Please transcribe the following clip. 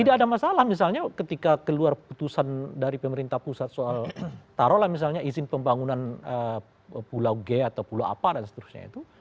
tidak ada masalah misalnya ketika keluar putusan dari pemerintah pusat soal taruhlah misalnya izin pembangunan pulau g atau pulau apa dan seterusnya itu